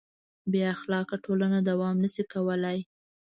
بېاخلاقه ټولنه دوام نهشي کولی.